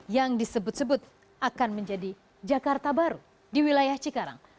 yang disebut sebut akan menjadi jakarta baru di wilayah cikarang